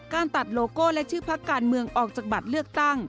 การตัดโลโก้และชื่อพักการเมืองออกจากบัตรเลือกตั้ง